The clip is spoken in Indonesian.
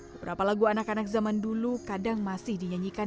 beberapa lagu anak anak zaman dulu kadang masih dinyanyikan